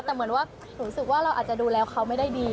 แต่เหมือนว่าหนูรู้สึกว่าเราอาจจะดูแลเขาไม่ได้ดี